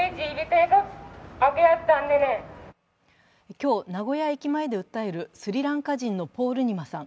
今日、名古屋駅前で訴えるスリランカ人のポールニマさん。